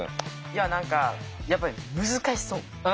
いや何かやっぱり難しそう。